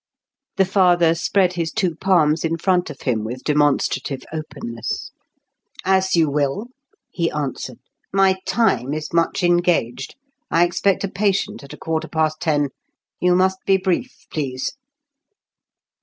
The father spread his two palms in front of him with demonstrative openness. "As you will," he answered. "My time is much engaged. I expect a patient at a quarter past ten. You must be brief, please."